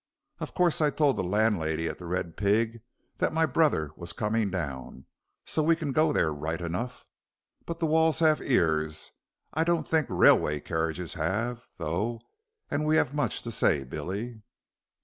"Of course, I told the landlady at 'The Red Pig' that my brother was coming down, so we can go there right enough. But walls have ears. I don't think railway carriages have, though, and we have much to say, Billy."